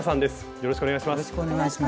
よろしくお願いします。